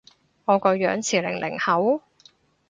我個樣似零零後？